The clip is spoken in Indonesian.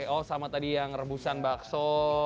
oh sama tadi yang rebusan bakso